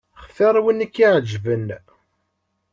Xtir win i k-iεeǧben.